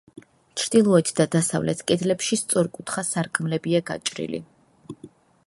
ჩრდილოეთ და დასავლეთ კედლებში სწორკუთხა სარკმლებია გაჭრილი.